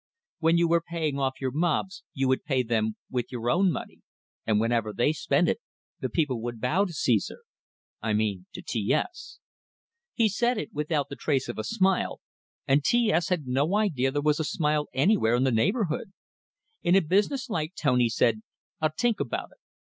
When you were paying off your mobs, you would pay them with your own money, and whenever they spent it, the people would bow to Caesar I mean to T S." He said it without the trace of a smile; and T S had no idea there was a smile anywhere in the neighborhood. In a business like tone he said: "I'll tink about it."